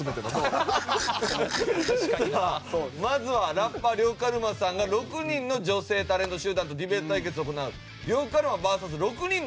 ではまずはラッパー呂布カルマさんが６人の女性タレント集団とディベート対決を行う呂布カルマＶＳ６人の女です。